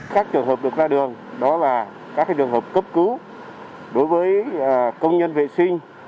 các trường hợp được ra đường đó là các trường hợp cấp cứu đối với công nhân vệ sinh